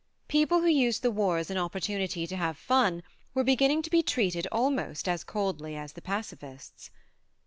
People who used the war as an opportunity to have fun were beginning to be treated almost as coldly as the pacifists.